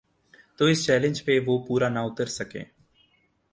تو اس چیلنج پہ وہ پورا نہ اتر سکے۔